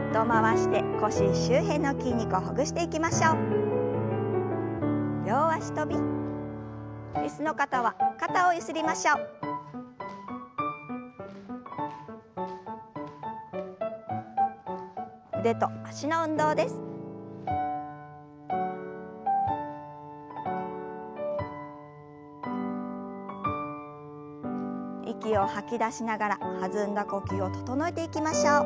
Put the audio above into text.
息を吐き出しながら弾んだ呼吸を整えていきましょう。